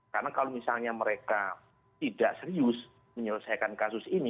karena kalau misalnya mereka tidak serius menyelesaikan kasus ini